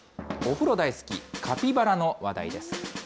お風呂大好き、カピバラの話題です。